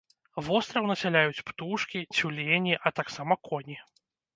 Востраў насяляюць птушкі, цюлені, а таксама коні.